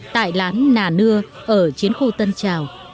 tại lán nà nưa ở chiến khu tân trào